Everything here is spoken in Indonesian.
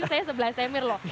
saya sebelah semir loh